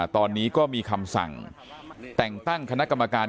ตอนนี้ก็มีคำสั่งแต่งตั้งคณะกรรมการ